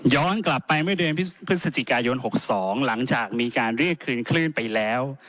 กลับไปเมื่อเดือนพฤศจิกายน๖๒หลังจากมีการเรียกคืนคลื่นไปแล้ว